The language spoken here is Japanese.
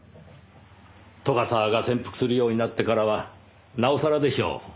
斗ヶ沢が潜伏するようになってからはなおさらでしょう。